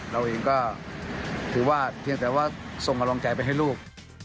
เราเองก็ถือว่าเพียงแต่ว่าส่งกำลังใจไปให้ลูก